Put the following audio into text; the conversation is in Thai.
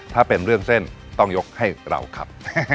ถ้าเป็นเรื่องเส้นต้องยกให้เราครับ